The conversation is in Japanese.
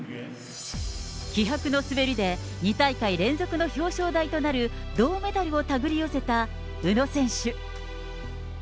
気迫の滑りで、２大会連続の表彰台となる銅メダルを手繰り寄せた宇野選手。